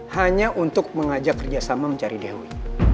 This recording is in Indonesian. hanya untuk mengajak kerjasama mencari dewi